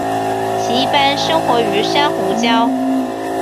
其一般生活于珊瑚礁。